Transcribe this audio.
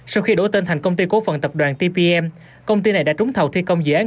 sau khi đổi tên thành công ty cố phần tập đoàn tbm công ty này đã trúng thầu thi công dự án